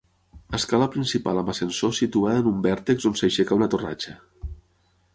Escala principal amb ascensor situada en un vèrtex on s'aixeca una torratxa.